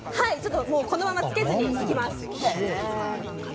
このままつけずにいただきます。